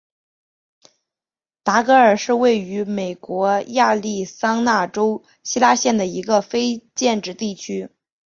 达格尔是位于美国亚利桑那州希拉县的一个非建制地区。